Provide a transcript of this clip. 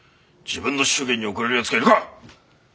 自分の祝言に遅れるやつがいるか！